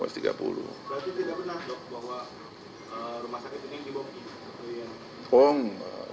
berarti tidak benar dok bahwa rumah sakit ini dibawa